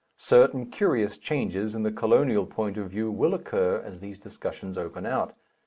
Certain curious changes in the colonial point of view will occur as these discussions open out.